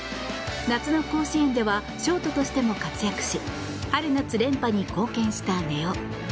夏の甲子園ではショートとしても活躍し春夏連覇に貢献した根尾。